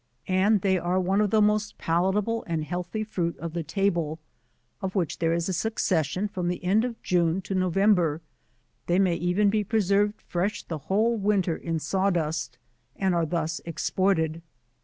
and they are one of*the most palatable and healthy fruit of the table, of which there is a succession from the end of June to November: they may even be preserved fresh the whole winter iii saw dust, and are thus exported.